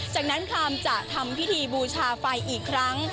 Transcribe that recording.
จากนั้นคามจะทำพิธีบูชาไฟอีกครั้ง